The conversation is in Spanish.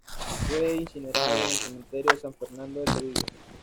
Fue incinerado en el Cementerio de San Fernando de Sevilla.